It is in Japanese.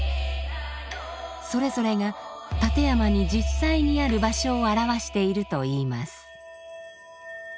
それぞれが立山に実際にある場所を表しているといいます。